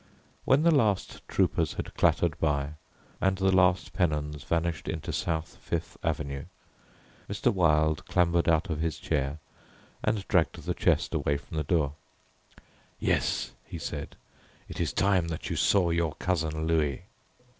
When the last troopers had clattered by, and the last pennons vanished into South Fifth Avenue, Mr. Wilde clambered out of his chair and dragged the chest away from the door. "Yes," he said, "it is time that you saw your cousin Louis."